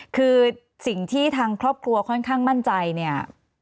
คือสิ่งที่ทางครอบครัวค่อนข้างมั่นใจเนี่ย